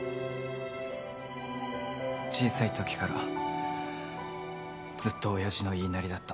小さいときからずっと親父の言いなりだった。